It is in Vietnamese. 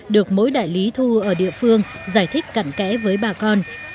được mỗi đại lý thu ở địa phương giải thích cận kẽ với bà con